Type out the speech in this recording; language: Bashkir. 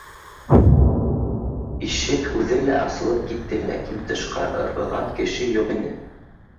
И ш ек үҙе лә аслып китте, ләкин тышҡа ырғыған кеше юк ине